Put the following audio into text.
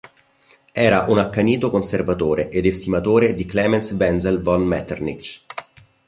Era un accanito conservatore ed estimatore di Klemens Wenzel von Metternich.